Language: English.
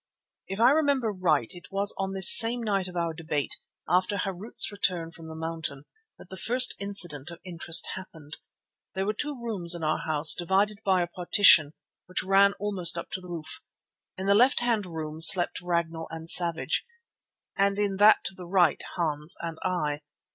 If I remember right it was on this same night of our debate, after Harût's return from the mountain, that the first incident of interest happened. There were two rooms in our house divided by a partition which ran almost up to the roof. In the left hand room slept Ragnall and Savage, and in that to the right Hans and I.